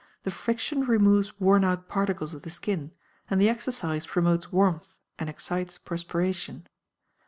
The friction removes worn out particles of the skin, and the exercise promotes warmth and excites perspiration.